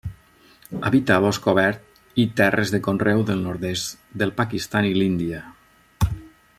Habita bosc obert i terres de conreu del nord-est del Pakistan i l'Índia.